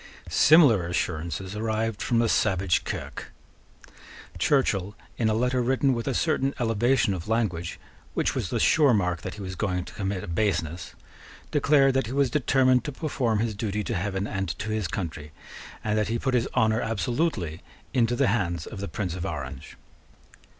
Similar assurances arrived from the savage Kirke. Churchill, in a letter written with a certain elevation of language, which was the sure mark that he was going to commit a baseness, declared that he was determined to perform his duty to heaven and to his country, and that he put his honour absolutely into the hands of the Prince of Orange.